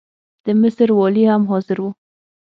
د مصر والي هم حاضر وو.